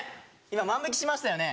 今万引しましたよね？